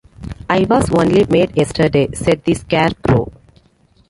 'I was only made yesterday,' said the Scarecrow.